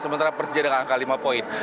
sementara persija dengan angka lima poin